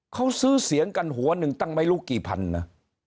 เขาซื้อเสียงกันหัวหนึ่งตั้งไม่รู้กี่พันนะ